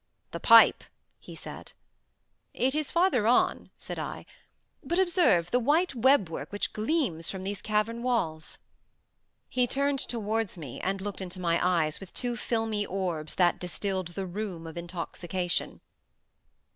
"The pipe," said he. "It is farther on," said I; "but observe the white web work which gleams from these cavern walls." He turned towards me, and looked into my eyes with two filmy orbs that distilled the rheum of intoxication.